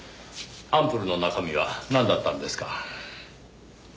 アンプルの中身はなんだったんですか？